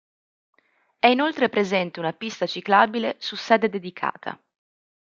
È inoltre presente una pista ciclabile su sede dedicata.